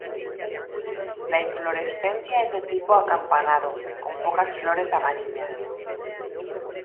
La inflorescencia es de tipo de acampanado, con pocas flores amarillas.